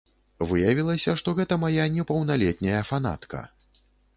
Выявілася, што гэта мая непаўналетняя фанатка!